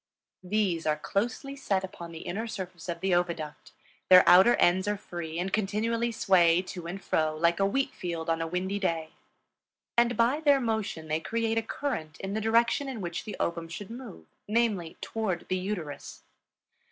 These are closely set upon the inner surface of the oviduct; their outer ends are free and continually sway to and fro like a wheat field on a windy day; and by their motion they create a current in the direction in which the ovum should move, namely, toward the uterus.